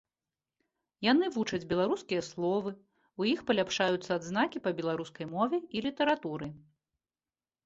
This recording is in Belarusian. Яны вучаць беларускія словы, у іх паляпшаюцца адзнакі па беларускай мове і літаратуры.